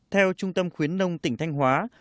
theo trung tâm khuyến nông tỉnh thanh hóa